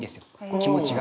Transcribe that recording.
気持ちが。